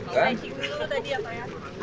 kalau saji dulu tadi apa ya